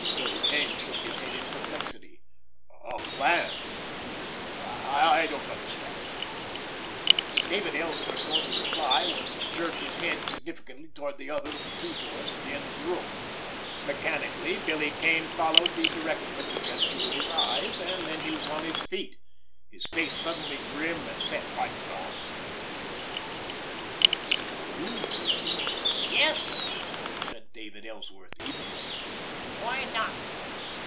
Billy Kane shook his head in perplexity. "A plan?" he repeated. "I don't understand." David Ellsworth's only reply was to jerk his head significantly toward the other of the two doors at the end of the room. Mechanically Billy Kane followed the direction of the gesture with his eyes; and then he was on his feet, his face suddenly grim and set. "My God!" he murmured under his breath. "You mean——" "Yes," said David Ellsworth evenly. "Why not?